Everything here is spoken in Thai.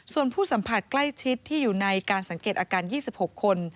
ส่วนผู้สัมผัสใกล้ชิดที่อยู่ในการสังเกตอาการ๒๖คน